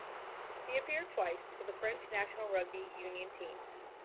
He appeared twice for the French national rugby union team.